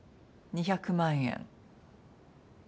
２００万円。